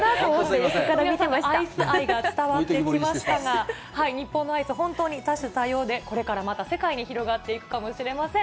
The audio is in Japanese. アイス愛が伝わってきましたが、日本のアイス、本当に多種多様で、これからまた世界に広がっていくかもしれません。